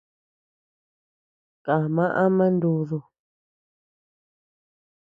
Kama ama nudu.